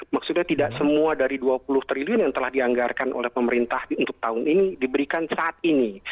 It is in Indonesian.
maksudnya tidak semua dari dua puluh triliun yang telah dianggarkan oleh pemerintah untuk tahun ini diberikan saat ini